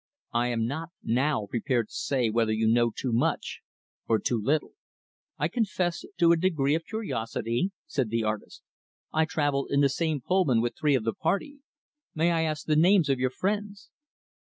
I am not, now, prepared to say whether you know too much or too little." "I confess to a degree of curiosity," said the artist. "I traveled in the same Pullman with three of the party. May I ask the names of your friends?"